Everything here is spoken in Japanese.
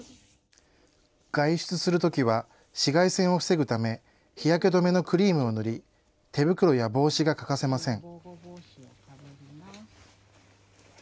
外出するときは紫外線を防ぐため、日焼け止めのクリームを塗り、手袋や帽子が欠かせません。